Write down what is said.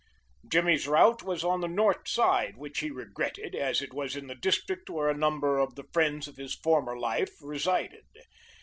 Jimmy's route was on the north side, which he regretted, as it was in the district where a number of the friends of his former life resided.